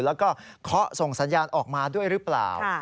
แล้วก็เคาะส่งสัญญาณออกมาด้วยหรือเปล่า